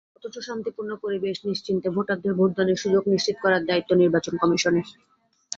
অথচ শান্তিপূর্ণ পরিবেশ, নিশ্চিন্তে ভোটারদের ভোটদানের সুযোগ নিশ্চিত করার দায়িত্ব নির্বাচন কমিশনের।